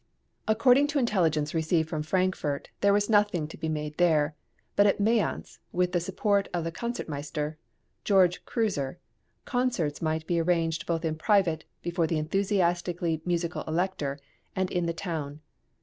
According to intelligence received from Frankfort, there was nothing to be made there; but at Mayence, with the support of the concertmeister, Georg Ant. Kreuser, concerts might be arranged both in private, before the enthusiastically musical Elector, and in the town.